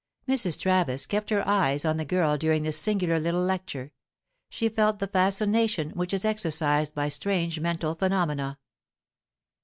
Mrs. Travis kept her eyes on the girl during this singular little lecture; she felt the fascination which is exercised by strange mental phenomena.